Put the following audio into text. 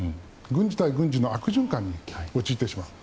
軍事対軍事の悪循環に陥ってしまう。